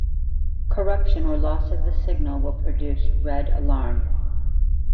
Corruption or loss of the signal will produce "red alarm".